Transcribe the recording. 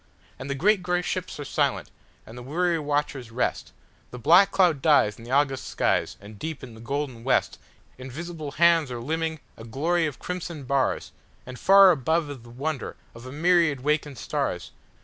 And the great gray ships are silent, and the weary watchers rest, The black cloud dies in the August skies, and deep in the golden westInvisible hands are limning a glory of crimson bars, And far above is the wonder of a myriad wakened stars!